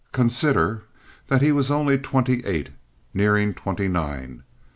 Consider that he was only twenty eight—nearing twenty nine.